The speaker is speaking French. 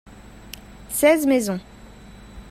seize maisons.